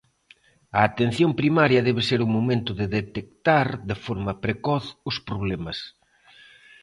A atención primaria debe ser o momento de detectar de forma precoz os problemas.